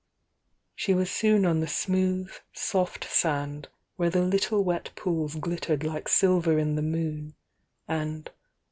She was soon on the smooth soft sand where the little wet pools glittered like silver in the moon, and, THE YOUNG DIANA